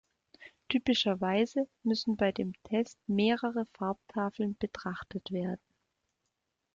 Typischerweise müssen bei dem Test mehrere Farbtafeln betrachtet werden.